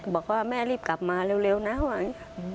บอกว่าแม่รีบกลับมาเร็วนะไหว